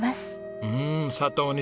うん佐藤錦